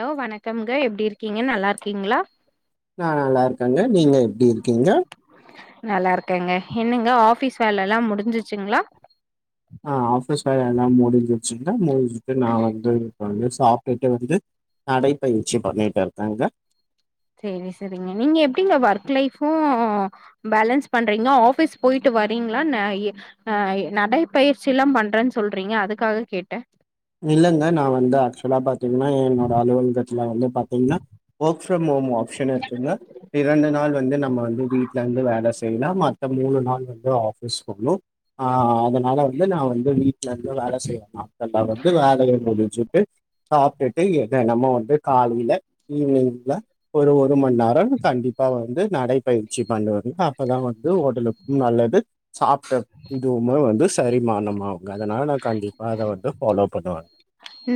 low வணக்கம்ங்க எப்டி இருக்கீங்க நல்லா இருக்கீங்களா நா நல்லா இருக்கேங்க நீங்க எப்டி இருக்கீங்க நல்லா இருக்கேங்க என்னங்க ஆபீஸ் வேலல்லா முடிஞ்சிச்சுங்களா ஆ ஆஃபீஸ் வேல எல்லா முடிஞ்சிருச்சிந்தா முடிச்சிட்டு நா வந்து வந்து சாப்டுட்டு வந்து நடைப்பயிற்சி பண்ணிட்டு இருக்கேங்க செரி செரிங்க நீங்க எப்டிங்க ஒர்க் லைஃபு பேலன்ஸ் பண்றீங்க ஆஃபீஸ் போயிட்டு வரீங்களா என்ன இ ஆ நடைபயிற்சில்லா பண்றேன் சொல்றீங்க அதுக்காக கேட்டே இல்லங்க நா வந்து ஆக்சுவலா பாத்தீங்ன்னா என்னோட அலுவலகத்துல வந்து பாத்திங்னா ஓர்க் ஃப்ரம் ஹோம் ஆப்ஷனு இருக்குங்க இரண்டு நாள் வந்து நம்ம வந்து வீட்ல இருந்து வேல செ செய்யலாம் மத்த மூணு நாள் வந்து ஆஃபீஸ் போனு அ அதனால வந்து நா வந்து வீட்ல இருந்து வேல செய்யலா நா வந்து வேலய முடிச்சுட்டு சாப்டுட்டு என்னென்னமோ வந்து காலைல ஈவ்னிங்குள்ள ஒரு ஒரு மண் நேரோ கண்டிப்பா வந்து நடைபயிற்சி பண்ணுவேங்ளா அப்பதா வந்து ஒடலுக்கும் நல்லது சாப்பிட்ட இதுவுமே வந்து செரிமானமாவுங்க அதனால நா கண்டிப்பா அத வந்து ஃபாலோ பண்ணுவே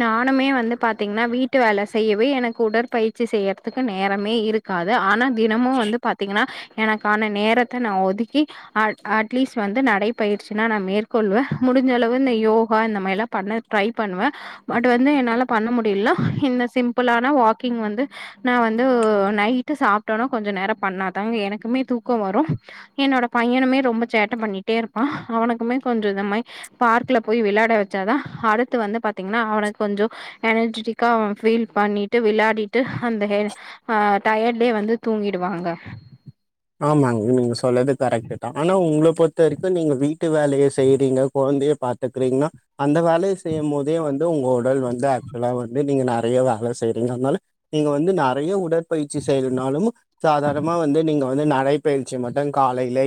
நானுமே வந்து பாத்தீங்ன்னா வீட்டு வேல செய்யவே எனக்கு உடற்பயிற்சி செய்யறதுக்கு நேரமே இருக் காது ஆனா தினமு வந்து பாத்தீங்கன்னா எனக்கான நேரத்த நா ஒதுக்கி அட் அட்லீஸ்ட் வந்து நடைப்பயிற்சினா நா மேற்கொள்வே முடிஞ்ச அளவு இந்த யோகா இந்த மாரி எல்லா பண்ண ட்ரை பண்ணுவே பட் வந்து என்னால பண்ண முடியல இந்த சிம்பிளான வாக்கிங் வந்து நா வந்து நைட்டு சாப்டாதா கொஞ்ச நேர பண்ணாதா எனக்குமே தூக்க வரு என்னோட பையனுமே ரொம்ப சேட்ட பண்ணிட்டே இருப்பா அவனுக்குமே கொஞ்ச இதமாயி பார்க்குல போய் விளாட வச்சாதா அடுத்து வந்து பத் பாத்தீங்னா அவனுக் கொஞ்ச எனர்ஜிடிக்கா அவ ஃபீல் பண்ணிட்டு விளாடிட்டு அந்த ஹே ஆ டயர்டிலே வந்து தூங்கிடுவாங்க ஆமாங்க நீங்க சொல்றது கரெக்ட் தா ஆனா உங்கள பொறுத்தவரைக்கு நீங்க வீட்டுய வேலைய செய்றீங்க கொழந்தைய பாத் றீங்னா அந்த வேலைய செய்யும் போதே வந்து உங்க உடல் வந்து ஆக்சுவலா வந்து நீங்க நெறைய வேல செய்றீங்க னால நீங்க வந்து நெறைய உடற்பயிற்சி செய்றனாலும் சாதாரணமா வந்து நீங்க வந்து நடை பயிற்சி மட்டும் காலையிலே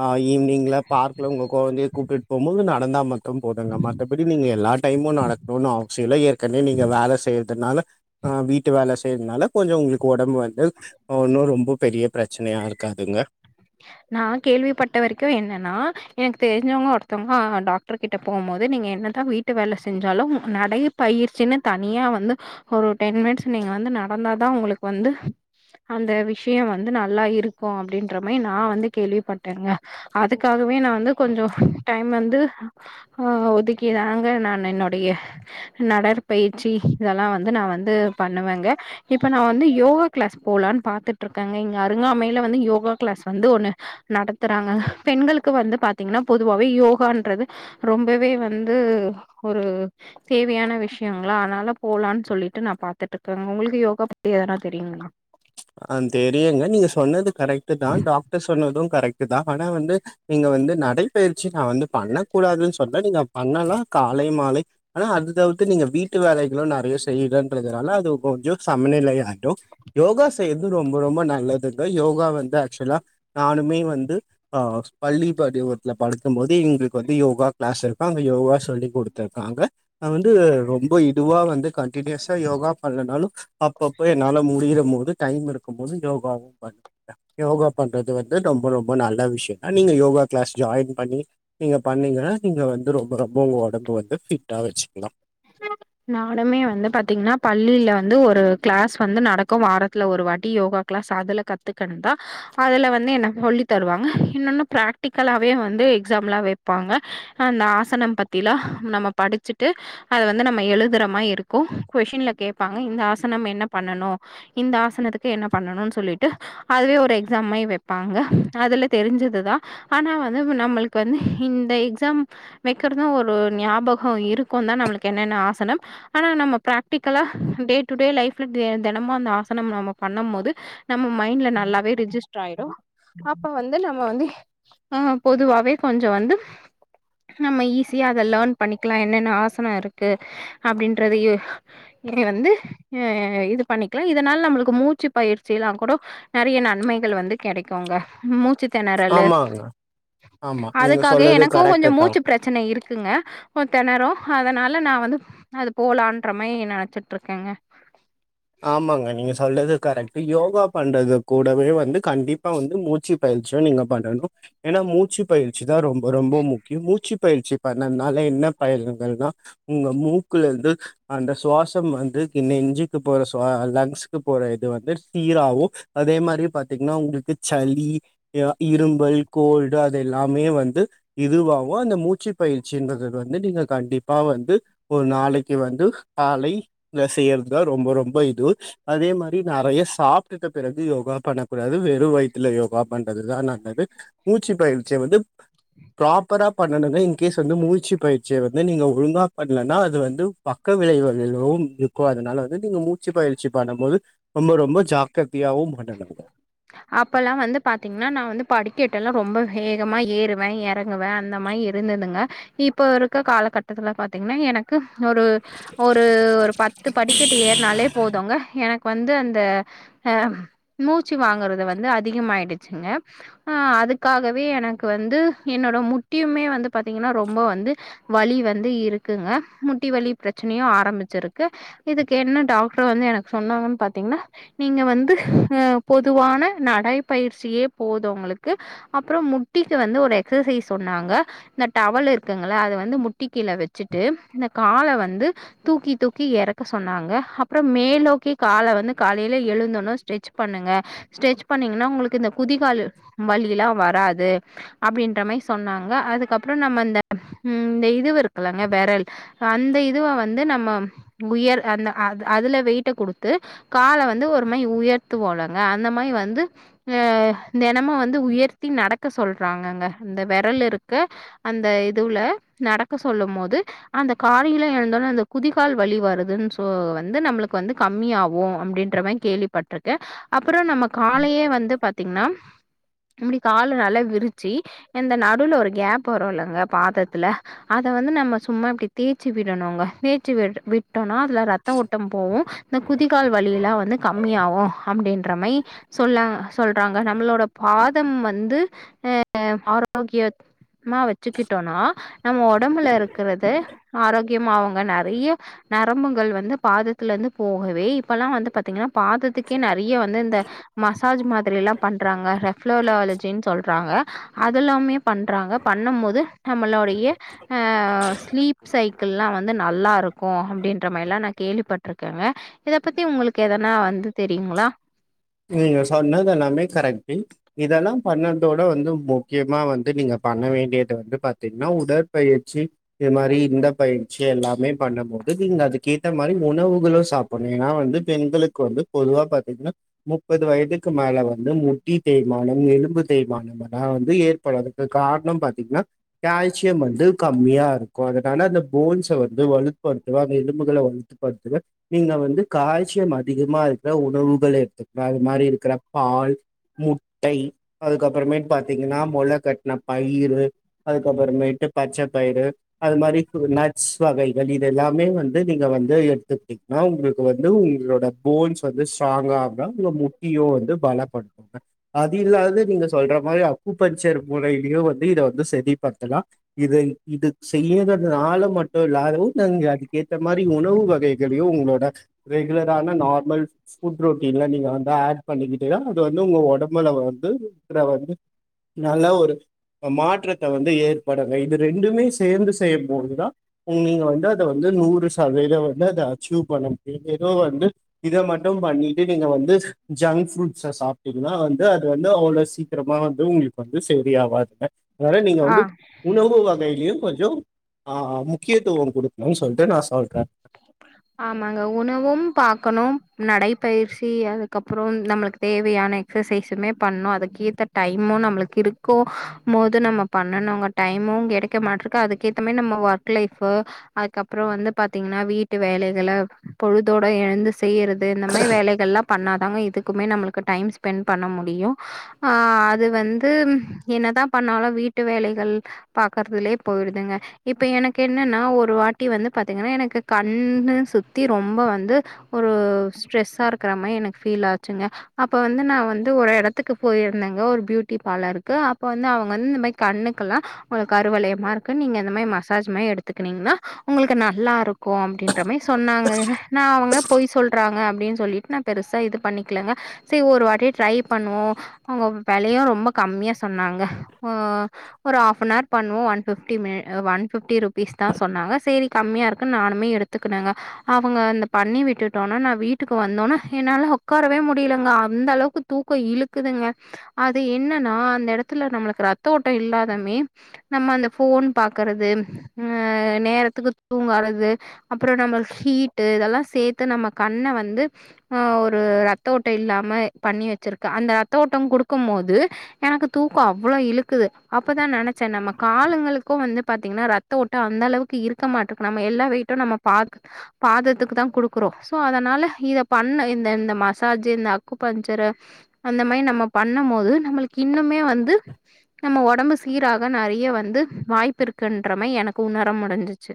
ஆ ஈவினிங்ல பார்க்ல உங்க கொழந்தைய கூப்டுட் போம்போது நடந்தா லும் போதுங்க மத்தபடி நீங்க எல்லா டைமு நடக்கணுனு அவசியோ இல்ல ஏற்கனவே நீங்க வேலை செய்றதுனால ஆ வீட்டு வேல செய்றதுனால கொஞ்சோ உங்ளுக்கு ஒடம்பு வந்து ஒன்னு ரொம்ப பெரிய பிரச் சனையா இருக்காதுங்க நா கேள்விப்பட்ட வரைக்கு என்னன்னா எனக்கு தெரிஞ்சவங்க ஒருத்தவங்க டாக் டர்கிட்ட போம் போது நீங்க என்னதா வீட்டு வேல செஞ்சாலு நடை பயிற்சின்னு தனியா வந்து ஒரு ஒரு டென் மினிட்ஸ் நீங்க வந்து நடந்தாதா உங்களுக் வந்து அந்த விஷ்யோ வந்து நல்லா இருக்கு அப்டின் ன்ற மேரி நா வந்து கேள்விப்பட்டேங்க அதுக்காகவே நா வந்து கொஞ்சோ டைம் வந்து ஆ ஒதுக்கி தாங்க நான் என்னுடைய நடற்பயிற்சி இதெல்லா வந்து நா வந்து பண்ணுவேங்க இப்ப நா வந்து யோகா கிளாஸ் போலான் பாத்துட்டு இருக்கேங்க இங்க அருங்காமையில வந்து யோகா கிளாஸ் வந்து ஒன்னு நடத்துறாங்க பெண்களுக்கு வந்து பாத்தீங்கன்னா பொதுவாவே யோகான்றது ரொம்பவே வந்து ஒரு தேவையான விஷயங்களா அனால போலான் சொல்லிட்டு நா பாத்துட் இருக்கேங்க உங்களுக்கு யோகா பத்தி எதனா தெரியுங்ளா ஆ தெரியுங்க நீங்க சொன்னது கரெக்டு தா டாக்டர் சொன்னது கரெக்டு தா ஆனா வந்து நீங்க வந்து நடைப்பயிற்சி நா வந்து பண்ணக் கூடாதுன்னு சொல்லல நீங்க பண்ணலா காலை மாலை ஆனா அது தவிர்த்து நீங்க வீட்டு வேலைகளு நெறைய செய்றன்றதுனால அது கொஞ்ச சமநிலையாயிடு யோகா செய்றதும் ரொம்ப ரொம்ப நல்லதுங்க யோகா வந்து ஆக்சுவலா நானுமே வந்து ஆ பள்ளி படிவத்துல படிக்கும் போது எங்களுக்கு வந்து யோகா கிளாஸ் இருக்கும் அங்க யோகா சொல்லி கொடு துருக்காங்க நா வந்து ரொம்ப இதுவா வந்து கண்டடினியூஸா யோகா பண்லனாலு அப்பப்போ என்னால முடியிறம் போது டைம் இருக்கும்போது யோகா பண்ணுவ யோகா பண்றது வந்து ரொம்ப ரொம்ப நல்ல விஷயம் தா நீங்க யோகா கிளாஸ் ஜாயின் பண்ணி நீங்க பண்ணீங்கன்னா நீங்க வந்து ரொம்ப ரொம்ப உங்க ஒடம்பு வந்து ஃபிட்டா வச்சுக்கலா ஆஹ நானுமே வந்து பாத்தீங்கன்னா பள்ளியில வந்து ஒரு கிளாஸ் வந்து நடக்கு வாரத்துல ஒரு வாட்டி யோகா க்ளாஸ் அதுலா கத்துக்கணுன்தா அதுல வந்து எனக் சொல்லித் தருவாங்க இன்னொன்னு பிராக்டிக்கலாவே வந்து எக்ஸாம் எலீலா வப் ப்பாங்க அந்த ஆசனம் பத்திலா நம்ம படிச்சுட்டு அது வந்து நம்ம எழுதுறமயி இருக்கு கொஷின்ல கேபீபாங்க இந்த ஆசனம் என்ன பண்ணனு இந்த ஆசனத்துக்கு என்ன பண்ணணுன்னு சொல்லிட்டு அதுவே ஒரு எக்ஸாமாயி வப்பாங்க அதுல தெரிஞ்சதுதா ஆனா வந்து நம்மளுக்கு வந்து இந்த எக்ஸாம் வக்கிறதும் ஒரு ஞாபகோ இருக்கு தா நம்மளுக்கு என்னென்ன ஆசனம் ஆனா நம்ம பிராக்டிக்கலா டே டு டே லைஃப்ல டே தெனமு அந்த ஆசனம் நம்ம பண்ணம் போது நம்ம மைண்ட்ல நல்லாவே ரிஜிஸ்ட்ரு ஆயிரு அப்ப வந்து நம்ம வந்து ஆ பொதுவாவே கொஞ்ச வந்து நம்ம ஈஸியா அத லேர்ன் பண்ணிக்கலா என்னென்ன ஆசனம் இருக்கு அப்டின்றதையே நீ வந்து ஆ இது பண்ணிக்கலா இதனால நம்மளுக்கு மூச்சு பயிற்சில்லா கூடோ நெறைய நன்மைகள் வந்து கெடைக்குங்க மூச்சு தெணறலு ஆமாங்க ஆமா நீங்க அதுக்காக சொல்றது எனக்கு கொஞ்ச கரெக்ட்டு தா மூச்சு பிரச் சனை இருக்குங்க ஒ தெணறு அதனா ல நா வந்து அது போலான்ற மாரி நெனைச்சிட்டு இருக்கேங்க ஆமாங்க நீங்க சொல்றது கரெக்ட்டு யோகா பண்றதுக் கூடவே வந்து கண்டிப்பா வந்து மூச்சு பயிற்சியு நீங்க பண்ணணு ஏன்னா மூச்சு பயிற்சி தா ரொம்ப ரொம்ப முக்கியம் மூச்சு பயிற்சி பண்ணதுனால என்ன பயனுங்கள்னா உங்க மூக்குல இருந்து அந்த சுவாசம் வந்து நெஞ்சு கு போற சுவா லங்ஸுக்கு போற இது வந்து சீராவு அதே மாரி பாத்தீங்கன்னா உங்களுக்கு சளி ஆ இருமல் கோல்டு அது எல்லாமே வந்து இதுவாவு அந்த மூச்சு பயிற்சின்றது வந்து நீங்க கண்டிப்பா வந்து ஒரு நாளைக்கு வந்து காலை இந்த செய்யறதுதா ரொம்ப ரொம்ப இது அதே மாரி நெறைய சாப்ட்டுட்ட பொறகு யோகா பண்ணக் கூடாது வெறு வயித்துல யோகா பண்றதுதா நல்லது மூச்சு பயிற்ச்சிய வந்து ப்ராப்பரா பண்ணணுங்க இன்கேஸ் வந்து மூச்சு பயிற்சிய வந்து நீங்க ஒழுங்கா பண்லனா அது வந்து பக்க விளைவுகள் எல்லோவு இருக்கும் அதனால நீங்க மூச்சு பயிற்சி பண்ணும்போது ரொம்ப ரொம்ப ஜாக்கிரதையாவு பண்ணணுங்க அப்போல்லா வந்து பாார்த்தீங்கன்னா நா வந்து படிக்கட்டெல்லா ரொம்ப வேகமாக ஏறுவே எறங்குவே அந்த மாரி இருந்துதுங்க இப்ப இருக்க காலகட்டத்துல பாத்தீங்கன்னா எனக் கு ஒரு ஒரு ஒரு பத்து படிக்கட்டு ஏறனாலே போதுங்க எனக் க்கு வந்து அந்த அ மூச்சு வாங்குறது வந்து அதிகமாயிடுச்சுங்க ஆ அதுக்காகவே எனக்கு வந்து என்னோட முட்டியுமே வந்து பாத்தீங்கன்னா ரொம்ப வந்து வலி வந்து இருக்குங்க முட்டி வலி பிரச்சனையு ஆரம்பிச்சிருக்கு இதுக்கு என்ன டாக்டர் வந்து எனக்கு சொன்னாங்கன்னு பாத்தீங்கன்னா நீங்க வந்து அ பொதுவான நடைப்பயிற்சியே போது உங்களுக்கு அப்புறோ முட்டிக்கு வந்து ஒரு எக்சசைஸ் சொன்னாங்க இந்த டவல் இருக்குங்கள அத வந்து முட்டி கீழ வச்சுட்டு இந்த கால வந்து தூக்கி தூக்கி எறக்க சொன்னாங்க அப்புறோ மேலோக்கி கால வந்து காலையில எழுந்தணு ஸ்ட்ரெச் பண்ணுங்க ஸ்ட்ரெச் பண்ணீங்கன்னா உங்களுக்கு இந்த குதிகால் வலியலா வராது அப்டின்ற மாரி சொன்னாங்க அதுக்கப்புறோ நம்ம இந்தந்த இந்த இது இருக்குலங்க வெரல் அந்த இதுவ வந்து நம்ம உயர் அந்த அ அதுல வெயிட்ட குடுத்து கால வந்து ஒரு மாதரி உயர்த்து வோலங்க அந்த மாரி வந்து அ தெனமு வந்து உயர்த்தி நடக்க சொல்றாங்கங்க இந்த வெரல் இருக்கு அந்த இதுவுல நடக்க சொல்லும் போது அந்த காலையில எழுந்தோல அந்த குதிகால் வலி வருதுன்னு சொ வந்து நம்மளுக்கு வந்து கம்மியாவு அப்டின்ற மாரி கேள்விப்பட்டிருக்கே அப்புறோ நம்ம காலையே வந்து பாத்தீங்ன்னா இப்டி கால நல்லா விரிச்சு எந்த நடுல ஒரு கேப் வரும்லங்க பாதத்துல அத வந்து நம்ம சும்மா இப்டி தேச்சு விடணுங்க தேச்சு விட்டு விட்டோம்னா அதுல ரத்த ஓட்ட போவு இந்த குதிகால் வலியிலா வந்து கம்மியாகு அப்டின்றமாயி சொல்லாங்க சொல்றாங்க நம்மளோட பாதம் வந்து அ அஆரோக்கிய மா வச்சுக்கிட்டோனா நம்ம ஒடம்புல இருக்குறது ஆரோக்கியமா அவுங்க நெறைய நரம்புகள் வந்து பாதத்துல இருந்து போகவே இப்பெல்லா வந்து பாத்தீங்கன்னா பாத த்துக்கே நெறைய வந்து இந்த மசாஜ் மாதிரில்லா பண்றாங்க ரெஃப்லோலாலஜின்னு சொல்றாங்க அதெல்லாமே பண்றாங்க பண்ணும் போது நம்மளோடைய அ ஸ்லீப் சைக்கில்லா வந்து நல்லா இருக்கு அப்டின்ற மாரில்லா நா கேள்விப்பட்டிருக்கேங்க இத பத்தி உங்களுக்கு எதனா வந்து தெரியுங்களா நீங்க சொன்னதெல்லாமே கரக்டிங் இதெல்லா பண்ணதோட வந்து முக்கியமா வந்து நீங்க பண்ண வேண்டியது வந்து பாத்தீங்கன்னா உடற்பயிற்சி இது மாரி இந்த பயிற்சி எல்லாமே பண்ணும்போது நீங்க அதுக்கேத்த மாரி உணவுகளு சாப் புனு ஏன்னா வந்து பெண்களுக்கு வந்து பொதுவா பாத்தீங்ன்னா முப்பது வயதுக்கு மேல வந்து முட்டி தேய்மானம் எலும்பு தேய்மானமெல்லா வந்து இப்ப அதுக்கு காரணம் பாத்தீங்ன்னா கால்சியம் வந்து கம்மியா இருக்கு அதனால அந்த போன்ஸ்ச வந்து வலுப்படுத்துவ அந்த எலும்புகள வந் பாத்தீங்க நீங்க வந்து கால்சியம் அதிகமா இருக்குற உணவுகள எடுத்துக் அ அது மாதிரி இருக்குற பால் முட்டை அதுக்கப்பறமேட் பாத்தீங்கன்னா மொள கட்டின பயிரு அதுக்கப்புறமேட்டு பச்ச பயிறு அது மாரி நட்ஸ் வகைகள் இதெல்லாமே வந்து நீங்க வந்து எடுத்து க்ன்னா உங்களுக்கு வந்து உங்களோட போன்ஸ் வந்து ஸ்ட்ராங்கா உங்க முட்டியு வந்து பலப்படுத்துங்க அது இல்லாது நீங்க சொல்ற மாரி அக்குப்பஞ்சர் மூறையிலயு வந்து இத வந்து சரி படுத்தலா இதை இது செய்யறதுனால மட்டும் இல்லாதவு நாங்க அதுக்கு ஏத்த மாரி உணவு வகை துலயும் உங்களோட ரெகுலரான நார்மல் ஃபுட் ரொட் நீங்கள நீங்க வந்து ஆட் பண்ணிக்கிட்டீங்க அது வந்து உங்க ஒடம்புல வந்துற வந்து நல்ல ஒரு மாற்றத்த வந்து ஏற்படுங்க இது ரெண்டுமே சேந்து செய்யும்போதுதா [unintelligible] நீங்க வந்து அத வந்து நூறு சதவீத வந்து அத அச்சீவ் பண்ண முடியு ஏதோ வந்து இத மட்டு பண்ணி ட்டு நீங்க வந்து ஜங்க் ஃபுட்ஸ்ச சாப்பிட்டீங்கன்னா வந்து அது வந்து அவ்ளோ சீக்கிரமா வந்து உங்களுக்கு வந்து செரி ஆவதுங்க அதனால நீங்க ஆ வந்து உணவு வகையிலயு கொஞ்சோ ஆ முக்கியத்துவம் குடுக்கனுன்ட்டு சொல்ட்டு நா சொல்றே ஆமாங்க உணவும் பாக்கணும் நடைபயிற்சி அதுக்கப்புறோம் நம்மளுக் தேவையான எக்ஸசைசுமே பண்ணு அதுக்க ஏத்த டைமு நம்மளுக்கு இருக்கும் போது நம்ம பண்ணனுங்க டைமும் கெடைக்க மாட்ட இருக்கு அதுக்கேத்த மாரி நம்ம ஒர்க் லைஃப் அதுக்கப்றோ வந்து பாத்தீங்கன்னா வீட் டு வேலைகள பொழுதோட எழுந்து செய்யறது இந்த மாரி வேலைகள் எல்லா பண்ணாதாங்க இதுக் குமே நம்மளுக்கு டைம் ஸ்பெண்ட் பண்ண முடியு ஆ அது வந்து என்னதா பண்ணாலும் வீட்டு வேலைகள் பாக்குறதுலயே போயிடுதுங்க இப்ப எனக்கு என்னன்னா ஒரு வாட்டி வந்து பாத்தீங்கன்னா எனக்கு கண்ணு சுத்தி ரொம்ப வந்து ஒரு ஸ்ட்ரெஸ்ஸா இருக்கிற மாரி எனக்கு ஃபீல் ஆச்சுங்க அப்ப வந்து நா வந்து ஒரு எடத்துக்கு போயிருந்தேங்க ஒரு பியூட்டி பார்லருக்கு அப்ப வந்து அவங்க வந்து இந்த மாரி கண்ணுக்குல்லா உங்களுக்கு கறுவலையமா இருக்கு நீங்க இந்த மாரி மசாஜ் மாரி எடுத்துக்னீங்கன்னா உங்களுக்கு நல்லா இருக் கு அப்டின்ற மாரி சொன்னாங்க நா அவங்க பொய் சொல்றாங்க அப்டின்னு சொல்லிட்டு நா பெருசா இது பண்ணிக்கலங்க செரி ஒரு வாட்டி ட்ரை பண்ணுவோ அவங்க வெலையு ரொம்ப கம்மியா சொன்னாங்க ஓ ஒரு ஹாப்ஃபனவர் பண்ணுவோ one fifty mini one fifty rupees தா சொன்னாங்க சேரி கம்மியா இரு நானுமே எடுத்துக்கனேங்க அவங்க அந்த பண்ணி விட்டுட்டோனா நா வீட்டுக்கு வந்தோனா என்னால உக்காரவே முடியலங்க அந்த அளவுக்கு தூக்கோ இழுக்குதுங்க அது என்னன்னா அந்த எடத்துல நம்மளுக்கு ரத்த ஓட்டோ இல்லாதமே நம்ம அந்த ஃபோன் பாக்குறது ஆ நேரத்துக்கு தூங்காத து அப்றோ நம்ம ஹீட் இதெல்லா சேத்து நம்ம கண்ண வந்து ஆ ஒரு ரத்த ஓட்டோ இல்லாம பண்ணி வெச்சிருக்கு அந்த ரத்த ஓட்டோ குடுக்கும் போது எனக்கு தூக்கோ அவ்ளோ இழுக்குது அப்பதா நெனைச்ச நம்ம காலங்களுக்கு வந்து பாத்தீங்கன்னா ரத் த்த ஓட்டோ அந்த அளவுக்கு இருக்க மாட்டேர்கு நம்ம எல்லா வெயிட்டு நம்ம பாத பாதத்துக்கு தா குடுக்குறோ சோ அதனால இத பண்ண இந்த இந்த மசாஜ் இந்த அக்கு பஞ்சரு அந்த மாரி நம்ம பண்ணும் போது நம்மளுக்கு இன்னுமே வந்து நம்ம ஒடம்பு சீராக நெறைய வந்து வாய்ப்பு இருக்குன்ற மாரி எனக்கு உணர முடிஞ்சிச்சு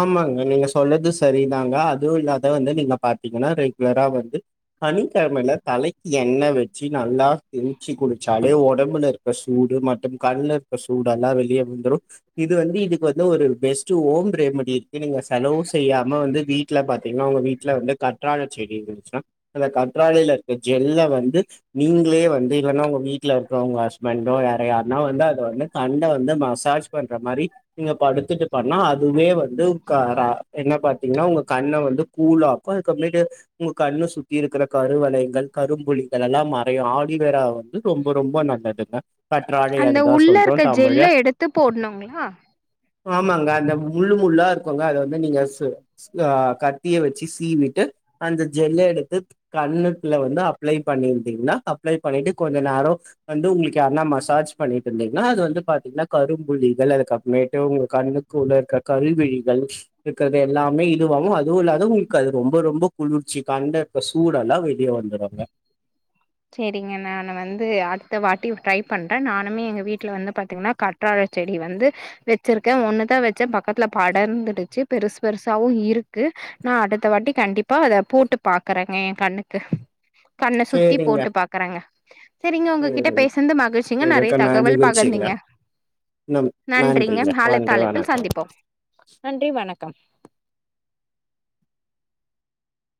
ஆமாங்க நீங்க சொல்றது சரிதாங்க அதுவு இல்லாது வந்து நீங்க பாத்தீங்கன்னா ரெகுலரா வந்து சனிக்கெழமைல தலைக்கி எண்ணெய் வெச்சு நல்லா தேச்சு குளிச்சாலே ஒடம்புல இருக் சூடு மட்ட கண்ல இருக்க சூடெல்லா வெளிய எடுத்துரு இது வந்து இதுக்கு வந்து ஒரு பெஸ்ட் ஹோம் ரெமடி இருக்கு நீங்க செலவு செய்யாம வந்து வீட்ல பாத் பாத்தீங்கன்னா உங்க வீட்ல வந்து கற்றாழ செடி இருந்திச்சுன்னா அந்த கற்றாழையில இருக்க ஜெல்ல வந்து நிங்களே வந்து இல்லனா உங்க வீட் வீட்ல இருக்க உங்க ஹஸ்பண்டோ வேற யாரையான்னா வந்து அது வந்து கண்ண வந்து மசாஜ் பண்ற மாரி நீங்க படுத்துட்டு பண்ணா அது அதுவே வந்து [unintelligible] என்ன பாத்தீங்கன்னா உங்க கண்ண வந்து கூலாக்கு அதுக்கப்றோ மேட்டு உங்க கண்ணு சுத்தி இருக்கிற கருவலைங்கள் கரும்புல்கள் எல்லா மறையு ஆலிவேரா வந்து ரொம்ப ரொம்ப நல்லதுங்க கற்றாழை அந்த அதுதா உள்ள சொல்றோ இருக்க தமிழ்ல ஜெல்ல எடுத்து போட்ணுங்களா ஆமாங்க அந்த முள்ளு முள்ளா இருக்குங்க அத வந்து நீங்க ஸ் ஆ கத்திய வெச்சு சீவிட்டு அந்த ஜெல்ல எடுத்து கன்னத்துல வந்து அப்ளை பண்ணிருந்தீங்கனா அப்ளை பண்ணிட்டு கொஞ்ச நேரொ வந்து உங்களுக்கு யார்னா மசாஜ் பண்ணிட்டு இருந்தீங்கனா அது வந்து பாத்தீங்கனா கரும்புள்ளிகள் அதுக்கப்மேட்டு உங்க கண்ணு குள்ளேருக்க கருவிழிகள் இருக்கறது எல்லாமே இதுவாவு அதுவு இல்லாத உங்களுக்கு அது ரொம்ப ரொம்ப குளிர்ச்சி கண்ட ப்ப சூடெல்லா வெளிய வந்துடுங்க செரிங்க நான் வந்து அடுத்த வாட்டி ட்ரை பண்ற நானுமே எங்க வீட்ல வந்து பாத்தீங்கனா கற் கற்றாழை செடி வந்து வெச்சிருக்க ஒண்ணுதா வெச்சே பக்கத்துல படர்ந்துடுச்சு பெருசு பெருசாவும் இருக்கு நா அடுத்த வாட்டி கண்டிப்பா அத போட்டு பாக்குறங்க எ கண்ணுக்கு கண்ண சுத் சுத்தி சேரிங்க போட்டு பாக்குறங்க செரிங்க உங்ககிட்ட சேரிங்க பேசனது மகிழ்ச்சிங்க நறைய இதுக்கு நா தகவல் நிகழ்ச்சிங்க பகிர்ந்திங்க நம் நன்றிங்க நன்றி மாலைத்தலைப்பில் வணக்கம் சந்திப்போம் நன்றி வணக்கம்